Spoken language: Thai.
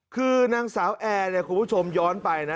คือนางสาวแอร์เนี่ยคุณผู้ชมย้อนไปนะ